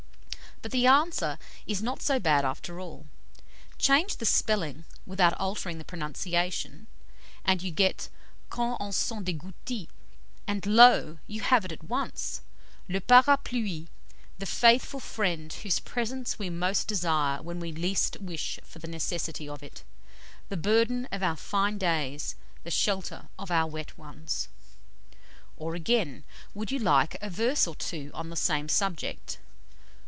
But the answer is not so bad after all. Change the spelling without altering the pronunciation, and you get quand on sent des gouties, and, lo! you have it at once le Parapluie the faithful friend whose presence we most desire when we wish least for the necessity of it; the burden of our fine days, the shelter of our wet ones. Or again, would you like a verse or two on the same subject?